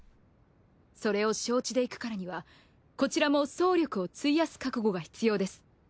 それを承知で行くからにはこちらも総力を費やす覚悟が必要です。